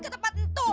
kagak mau pindah